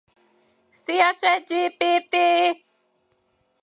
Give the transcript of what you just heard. Ez vezetett Algéria gyarmatosításához.